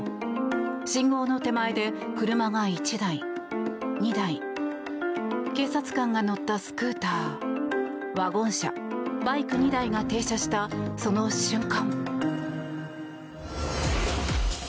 信号の手前で車が１台、２台警察官が乗ったスクーターワゴン車、バイク２台が停車したその瞬間。